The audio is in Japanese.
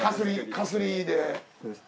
かすりで。